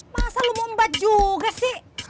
masa lu mau mbat juga sih